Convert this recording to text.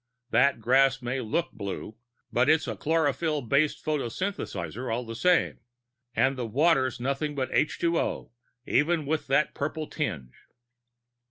That grass may look blue, but it's a chlorophyll based photosynthesizer all the same. And the water's nothing but H_O, even with that purple tinge."